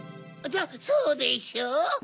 そうでしょ！